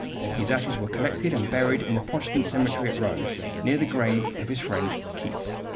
His ashes were collected and buried in the Protestant cemetery at Rome, near the grave of his friend Keats.